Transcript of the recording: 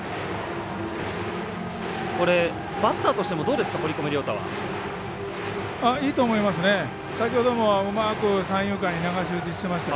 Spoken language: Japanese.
バッターとしてはどうですか。